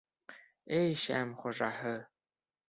— Эй шәм хужаһы!